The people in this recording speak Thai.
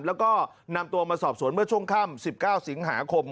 แล้วก็นำตัวมาสอบสวนเมื่อช่วงค่ำ๑๙สิงหาคม